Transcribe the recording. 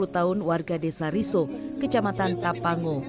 tiga puluh tahun warga desa riso kecamatan tapango